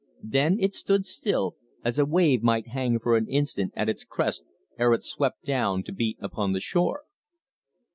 Then it stood still, as a wave might hang for an instant at its crest ere it swept down to beat upon the shore.